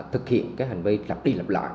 thực hiện hành vi lập đi lập lại